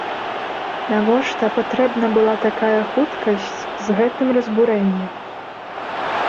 Навошта патрэбна была такая хуткасць з гэтым разбурэннем?